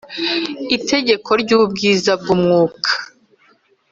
itegeko ry ubwiza bw umwuka